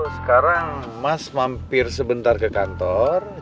sekarang mas mampir sebentar ke kantor